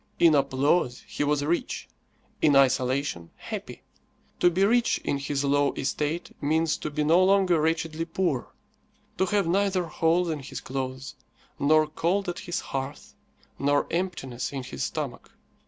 In applause he was rich, in isolation happy. To be rich in his low estate means to be no longer wretchedly poor to have neither holes in his clothes, nor cold at his hearth, nor emptiness in his stomach.